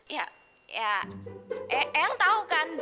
ya eyang tau kan